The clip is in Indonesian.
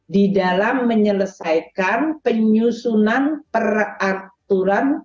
di dalam menyelesaikan penyusunan peraturan